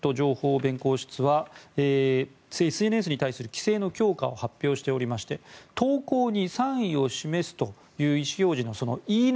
弁公室はＳＮＳに対する規制の強化を発表しておりまして投稿に賛意を示すという意思表示の「いいね」